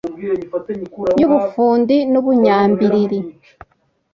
y’ubufundi n’ubunyambiriri